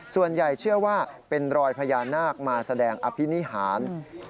ส่วนใหญ่เชื่อว่าเป็นรอยพญานาคมาแสดงอภินิหาร